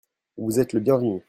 Vous êtes le bienvenu.